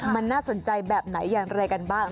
มันน่าสนใจแบบไหนอย่างไรกันบ้าง